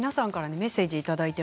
メッセージです。